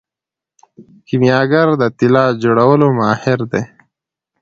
کیمیاګر د طلا جوړولو ماهر دی.